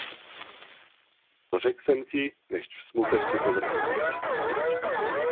To řek' jsem ti, nechť v smutek tě to vrhne!